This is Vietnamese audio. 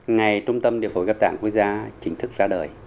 ngày trung tâm địa phủ gấp tạng quốc gia chính thức ra đời